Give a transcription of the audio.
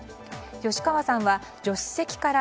吉川さんは助手席から